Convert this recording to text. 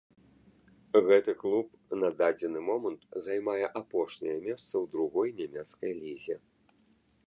Гэты клуб на дадзены момант займае апошняе месца ў другой нямецкай лізе.